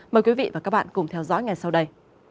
mời quý vị và các bạn cùng theo dõi ngay sau đây